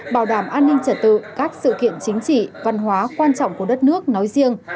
bảo đảm an ninh trật tự các sự kiện chính trị văn hóa quan trọng của đất nước nói riêng